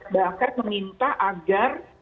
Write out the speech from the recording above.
bahkan meminta agar